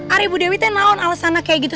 ari bu dewi teh naon alesana kayak gitu